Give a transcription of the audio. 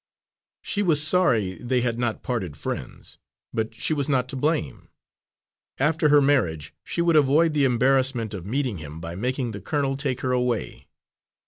She was sorry they had not parted friends, but she was not to blame. After her marriage, she would avoid the embarrassment of meeting him, by making the colonel take her away.